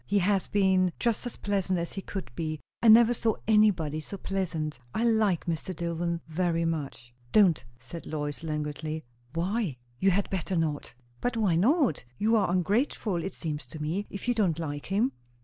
He has been just as pleasant as he could be. I never saw anybody so pleasant. I like Mr. Dillwyn very much." "Don't!" said Lois languidly. "Why?" "You had better not." "But why not? You are ungrateful, it seems to me, if you don't like him."